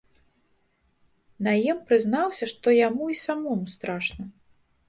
Наем прызнаўся, што яму і самому страшна.